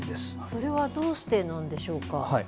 それはどうしてなんでしょうか。